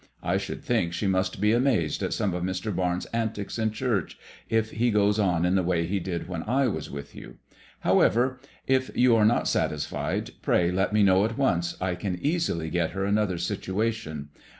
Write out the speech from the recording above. I should think she must be amazed at some of Mr. Barnes' antics in church, if he goes on in the way he did when I was with you. However, if you are not satisfied, pray let me know at once. I can easily get her another situation.